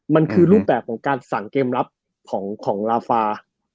มันคือรูปแบบของการสั่งเกมรับของลาฟา